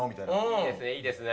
いいですね、いいですね。